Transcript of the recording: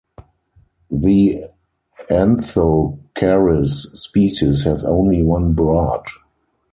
The Anthocharis species have only one brood.